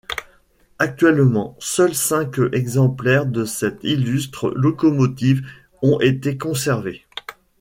Actuellement, seulement cinq exemplaires de cette illustre locomotive ont été conservés.